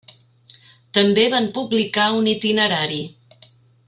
També van publicar un itinerari.